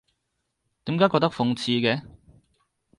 點解覺得諷刺嘅？